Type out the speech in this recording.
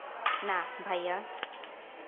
না, ভাইয়া।